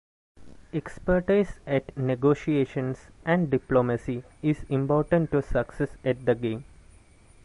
Expertise at negotiations and diplomacy is important to success at the game.